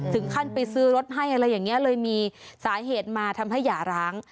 ถึงขั้นไปซื้อรถให้อะไรอย่างนี้เลยมีสาเหตุมาทำให้หย่าร้าง